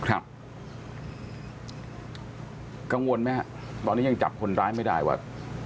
กังวลไหมฮะตอนนี้ยังจับคนร้ายไม่ได้ว่า